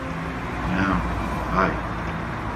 Não, pai!